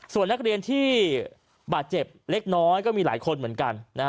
ส่วนนักเรียนที่บาดเจ็บเล็กน้อยก็มีหลายคนเหมือนกัน